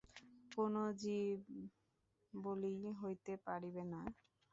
কোনো জীববলিই হইতে পারিবে না?